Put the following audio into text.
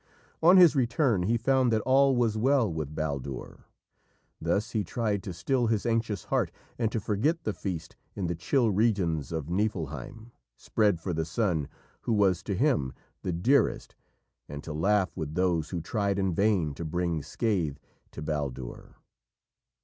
On his return he found that all was well with Baldur. Thus he tried to still his anxious heart and to forget the feast in the chill regions of Niflheim, spread for the son who was to him the dearest, and to laugh with those who tried in vain to bring scathe to Baldur.